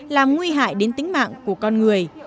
làm nguy hại đến tính mạng của con người